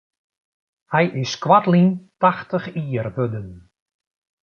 Hy is koartlyn tachtich jier wurden.